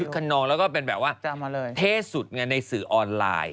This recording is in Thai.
คนนองแล้วก็เป็นแบบว่าเท่สุดไงในสื่อออนไลน์